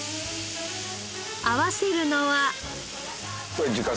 合わせるのは。